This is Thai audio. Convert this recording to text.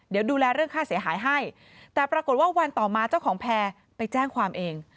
เดี๋ยวดูแลเรื่องค่าเสียหายให้แต่ปรากฏว่าวันต่อมาเจ้าของแพร่ไปแจ้งความเอง